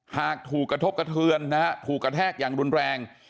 หากถูกกระทบกระเทือนนะฮะถูกกระแทกอย่างรุนแรง